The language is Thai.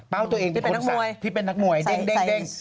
เป้าตัวเองที่เป็นทักหมวยเด้ง